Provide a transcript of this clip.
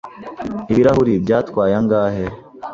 Ibirahuri byatwaye angahe?